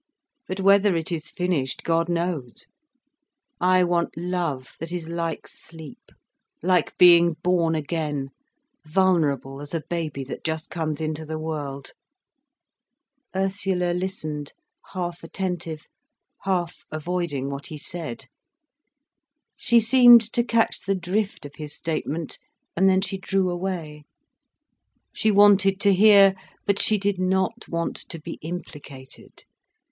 But whether it is finished, God knows. I want love that is like sleep, like being born again, vulnerable as a baby that just comes into the world." Ursula listened, half attentive, half avoiding what he said. She seemed to catch the drift of his statement, and then she drew away. She wanted to hear, but she did not want to be implicated.